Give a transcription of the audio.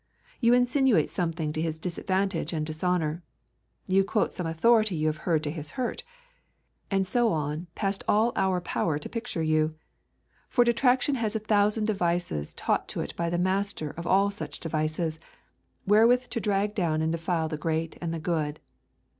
You insinuate something to his disadvantage and dishonour. You quote some authority you have heard to his hurt. And so on past all our power to picture you. For detraction has a thousand devices taught to it by the master of all such devices, wherewith to drag down and defile the great and the good.